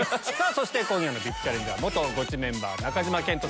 今夜のＶＩＰチャレンジャー元ゴチメンバー中島健人さん。